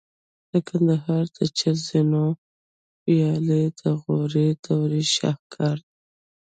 د کندهار د چل زینو ویالې د غوري دورې شاهکار دي